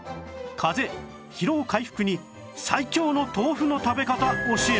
かぜ疲労回復に最強の豆腐の食べ方教えます